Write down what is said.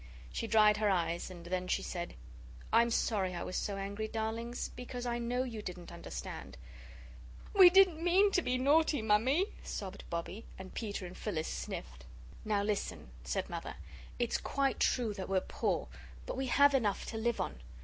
She dried her eyes and then she said: "I'm sorry I was so angry, darlings, because I know you didn't understand." "We didn't mean to be naughty, Mammy," sobbed Bobbie, and Peter and Phyllis sniffed. "Now, listen," said Mother; "it's quite true that we're poor, but we have enough to live on.